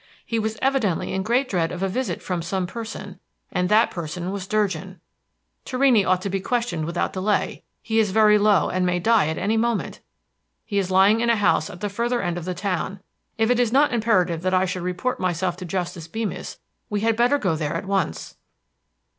He was evidently in great dread of a visit from some person, and that person was Durgin. Torrini ought to be questioned without delay; he is very low, and may die at any moment. He is lying in a house at the further end of the town. If it is not imperative that I should report myself to Justice Beemis, we had better go there at once."